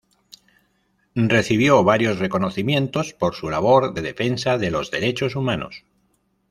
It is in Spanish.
Recibió varios reconocimientos por su labor de defensa de los Derechos Humanos.